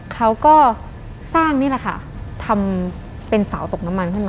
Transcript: เขาก็สร้างนี่แหละค่ะทำเป็นเสาตกน้ำมันขึ้นมา